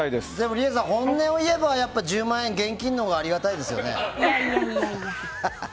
リエさん、本音を言えばやっぱり１０万円現金のほうがありがたいですよね。